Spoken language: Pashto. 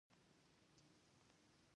دولتونه خپل ملکیتونه پلوري او عواید زیاتوي.